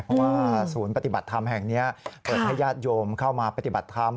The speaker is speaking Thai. เพราะว่าศูนย์ปฏิบัติธรรมแห่งนี้เปิดให้ญาติโยมเข้ามาปฏิบัติธรรม